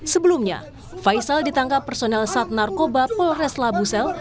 sebelumnya faisal ditangkap personel sat narkoba polres labusel